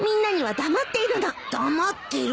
黙ってる？